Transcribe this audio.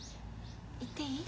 言っていい？